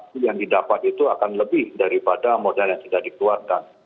modal yang didapat itu akan lebih daripada modal yang sudah dikeluarkan